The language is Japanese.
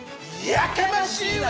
やかましいわ！